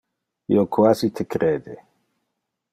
Io quasi te crede.